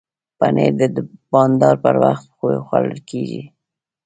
پنېر د بانډار پر وخت خوړل کېږي.